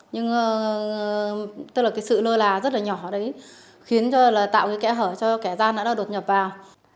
nhưng tức là sự lơ là rất là nhỏ đấy khiến tạo cái kẻ hở cho kẻ gian đã đột nhập vào